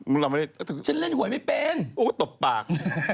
โอ้ยผมเราไม่ได้โอ้โฮตบปาก